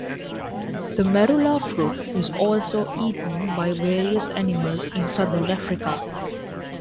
The marula fruit is also eaten by various animals in Southern Africa.